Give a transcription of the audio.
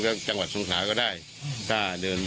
โอเคเรียกฝันิดสามไว้ก่อน